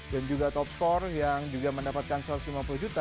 dan juga top core yang juga mendapatkan satu ratus lima puluh juta